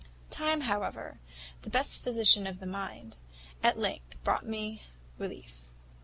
Time, however, the best physician of the mind, at length brought me relief."